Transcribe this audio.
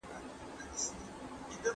تاسي ولي داسي په حیرانتیا سره سواست؟